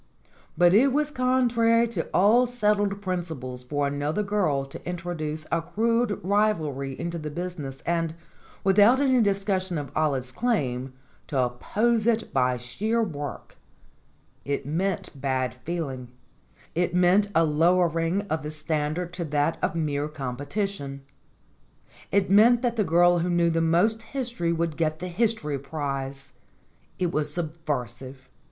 But it was contrary to all settled principles for another girl to introduce a crude rivalry into the business, and, without any discussion of Olive's claim, to oppose it by sheer work. It meant bad feeling. It meant a lowering of the standard to that of mere competition. It meant that the girl who knew the most history would get the history prize. It was subversive.